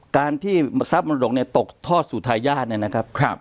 การที่ทรัพย์มรดกเนี่ยตกทอดสู่ทายาทเนี่ยนะครับ